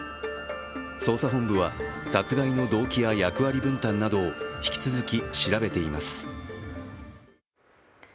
捜査本部は殺害の動機や役割分担などを引き続き調べています。